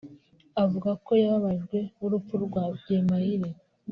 Avuga ko yababajwe n’urupfu rwa Byemayire